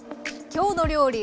「きょうの料理」